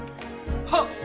はっ！